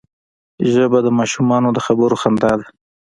ژبه د ماشومانو د خبرو خندا ده